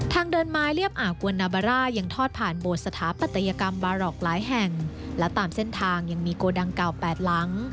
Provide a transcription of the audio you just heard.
ทางเดินไม้เรียบอ่าวกวนนาบาร่ายังทอดผ่านโบสถาปัตยกรรมบารอกหลายแห่งและตามเส้นทางยังมีโกดังเก่าแปดหลัง